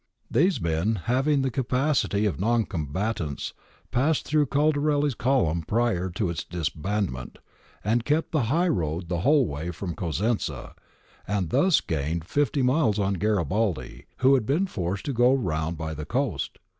These men, having in the capacity of non combatants passed through Caldarelli's column prior to its disbandment, had kept the high road the whole way from Cosenza, and had thus gained fifty miles on Garibaldi, who had been forced to go round by the coast.